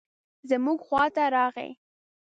زموږ خواته راغی.